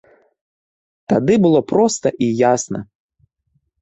Тады было проста і ясна.